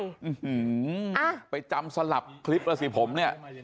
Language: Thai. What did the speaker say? อื้อหือไปจำสลับคลิปล่ะสิผมเนี่ย